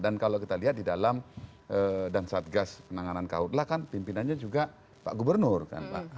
kalau kita lihat di dalam dan satgas penanganan kautlah kan pimpinannya juga pak gubernur kan pak